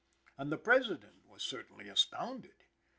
And the President was certainly astounded.